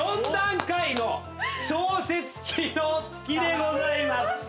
４段階の調節機能付きでございます。